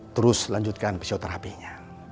terus lanjutkan psioterapinya